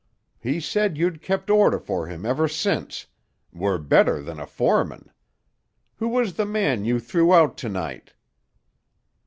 He said you'd kept order for him ever since, were better than a foreman. Who was the man you threw out to night?"